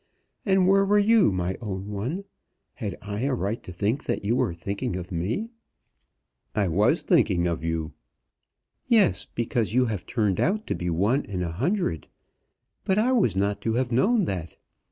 And where were you, my own one? Had I a right to think that you were thinking of me?" "I was thinking of you." "Yes; because you have turned out to be one in a hundred: but I was not to have known that.